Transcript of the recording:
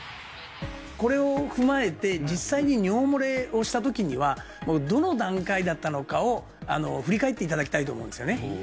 これを踏まえて実際に尿もれをした時にはどの段階だったのかを振り返っていただきたいと思うんですよね